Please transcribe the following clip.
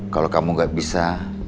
kalau kamu gak bisa